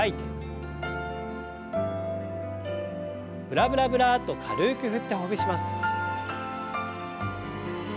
ブラブラブラッと軽く振ってほぐします。